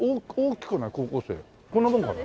こんなものかな？